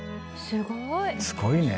すごいね。